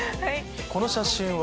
この写真は？